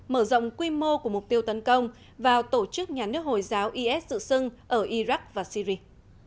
mở rộng quy mô của mục tiêu tấn công vào tổ chức nhà nước hồi giáo is dự xưng ở iraq và syri